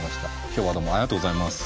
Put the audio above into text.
今日はどうもありがとうございます。